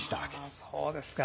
あそうですか。